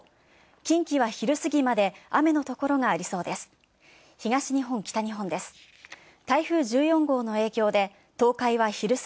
近畿は昼過ぎまで雨のところがありそうです。